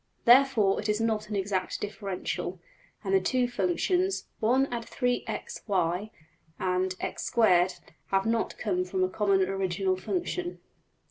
Therefore, it is not an exact differential, and the two functions $1+3xy$ and~$x^2$ have not come from a common original function.